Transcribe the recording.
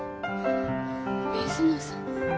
水野さん。